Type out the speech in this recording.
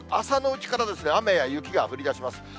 朝のうちから雨や雪が降りだします。